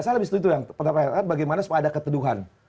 saya lebih sedikit tuh yang pertanyaan pertanyaan bagaimana supaya ada keteduhan